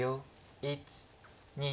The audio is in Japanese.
１２。